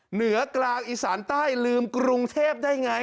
เหนือกลางอีสานใต้ลืมกรุงเทพได้ไง